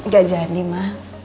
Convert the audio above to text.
gak jadi ma